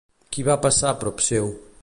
Qui va passar prop seu?